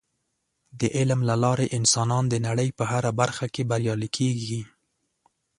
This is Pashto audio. د علم له لارې انسانان د نړۍ په هره برخه کې بریالي کیږي.